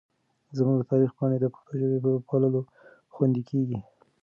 زموږ د تاریخ پاڼې د پښتو ژبې په پاللو خوندي کېږي.